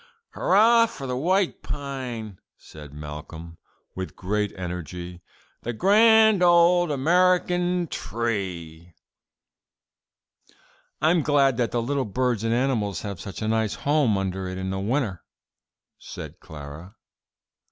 '" "Hurrah for the white pine," said Malcolm, with great energy, "the grand old American tree!" "I'm glad that the little birds and animals have such a nice home under it in winter," said Clara.